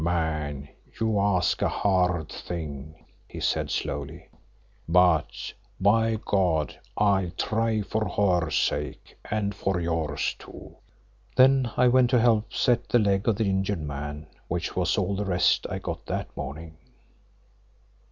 "Man, you ask a hard thing," he said slowly. "But by God I'll try for her sake and for yours too." Then I went to help to set the leg of the injured man, which was all the rest I got that morning.